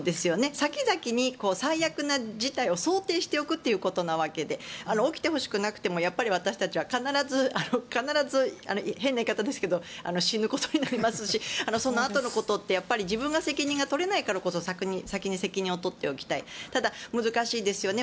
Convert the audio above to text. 先々に最悪の事態を想定しておくということなわけで起きてほしくなくても私たちは必ず変な言い方ですけど死ぬことになりますしそのあとのことって自分が責任が取れないからこそ先に責任を取っておきたいただ、難しいですよね。